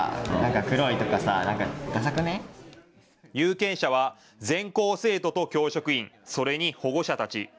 有権者は全校生徒と教職員、それに保護者たち。